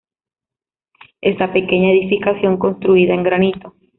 Esta pequeña edificación construida en granito.